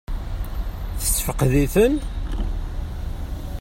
Tessefqed-iten?